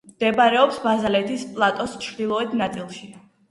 მდებარეობს ბაზალეთის პლატოს ჩრდილოეთ ნაწილში.